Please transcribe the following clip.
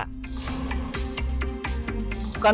jika mereka menempuh ke atas mereka akan menempuh ke atas